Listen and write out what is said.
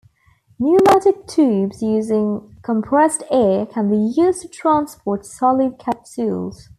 Pneumatic tubes using compressed air can be used to transport solid capsules.